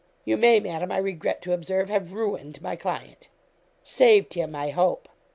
You may, Madam, I regret to observe, have ruined my client.' 'Saved him, I hope.'